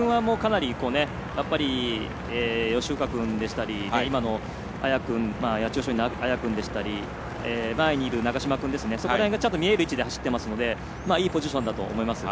吉居君はかなり吉岡君でしたり八千代松陰の綾君でしたり前にいる長嶋君が見える位置で走っていますのでいいポジションだと思います。